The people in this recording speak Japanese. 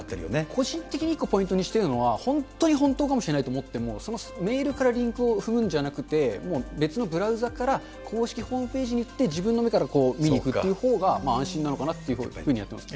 個人的に１個ポイントにしてるのは、本当に本当かもしれないと思っても、そのメールからリンクを踏むんじゃなくて、もう別のブラウザから公式ホームページに行って自分の目から見にいくっていうほうが安心なのかなというふうには思ってます。